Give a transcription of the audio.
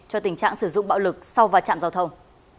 cho tình trạng sử dụng bạo lực sau vài trạm giao thông